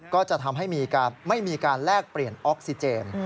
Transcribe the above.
ก็จะทำให้ไม่มีการแลกเปลี่ยนออกซิเจน